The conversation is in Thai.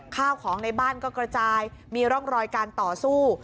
ข้าวของในบ้านก็กระจายมีร่องรอยการต่อสู้